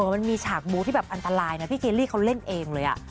มันมีฉากบู้ที่แบบอันตรายนะพี่เคลลี่เขาเล่นเองเลย